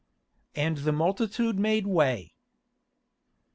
And the multitude made way.